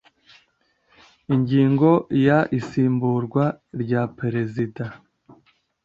Ingingo ya isimburwa rya perezida